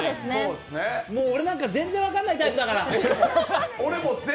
俺なんか全然分かんないタイプだから。